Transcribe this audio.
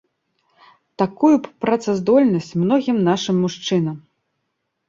Такую б працаздольнасць многім нашым мужчынам!